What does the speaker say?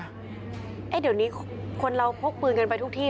เดี๋ยวนี้คนเราพกปืนกันไปทุกที่